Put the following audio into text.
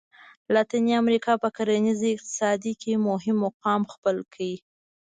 لاتیني امریکا په کرنیز اقتصاد کې مهم مقام خپل کړ.